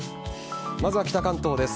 まずは北関東です。